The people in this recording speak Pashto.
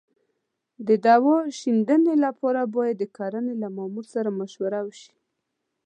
د دوا شیندنې لپاره باید د کرنې له مامور سره مشوره وشي.